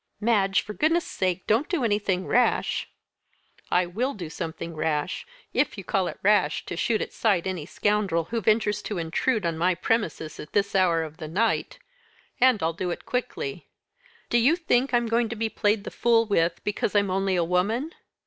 "Madge, for goodness sake don't do anything rash!" "I will do something rash if you call it rash to shoot at sight any scoundrel who ventures to intrude on my premises at this hour of the night! and I'll do it quickly! Do you think I'm going to be played the fool with because I'm only a woman!